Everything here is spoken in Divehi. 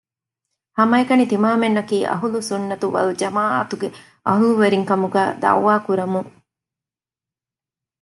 ހަމައެކަނި ތިމާމެންނަކީ އަހުލު ސުއްނަތު ވަލްޖަމާޢަތުގެ އަހުލުވެރިން ކަމުގައި ދަޢުވާ ކުރަމުން